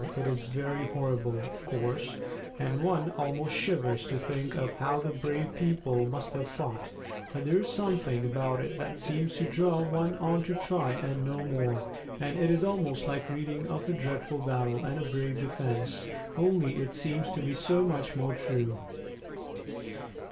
"It is very horrible, of course, and one almost shivers to think of how the brave people must have fought; but there's a something about it that seems to draw one on to try and know more, and it is almost like reading of a dreadful battle and a brave defence; only it seems to be so much more true."